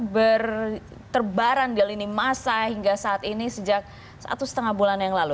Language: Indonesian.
berterbaran di lini masa hingga saat ini sejak satu setengah bulan yang lalu